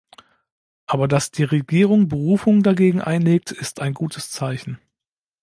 Aber dass die Regierung Berufung dagegen einlegt, ist ein gutes Zeichen.